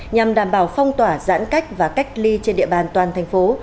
nhằm đảm bảo phong tỏa giãn cách và cách ly trên địa bàn toàn thành phố